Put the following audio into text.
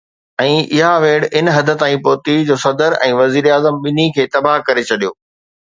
۽ اها ويڙهه ان حد تائين پهتي جو صدر ۽ وزير اعظم ٻنهي کي تباهه ڪري ڇڏيو.